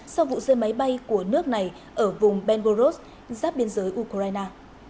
sau vụ rơi máy bay của nước này ở vùng benboros giáp biên giới ukraine